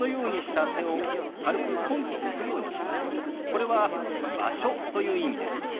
これは「場所」という意味です。